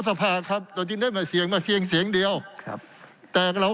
สภาครับเราจึงได้หมายเสียงมาเพียงเสียงเดียวครับแต่เรา